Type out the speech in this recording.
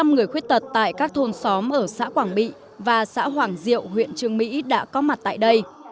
một trăm linh người khuyết tật tại các thôn xóm ở xã quảng bị và xã hoàng diệu huyện trương mỹ đã có mặt tại đây